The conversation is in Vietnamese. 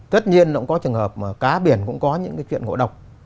tất nhiên nó cũng có trường hợp mà cá biển cũng có những cái chuyện ngộ độc